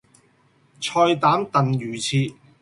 菜膽燉魚翅